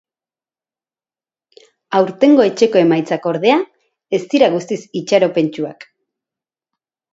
Aurtengo etxeko emaitzak, ordea, ez dira guztiz itxaropentsuak.